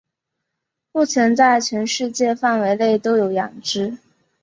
目前在全世界范围内都有养殖。